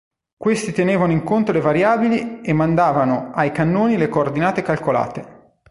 Questi tenevano in conto le variabili e mandavano ai cannoni le coordinate calcolate.